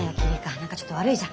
何かちょっと悪いじゃん。